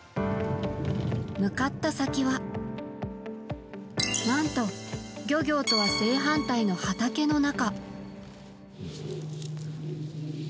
向かった先は、何と漁業とは正反対の畑の中。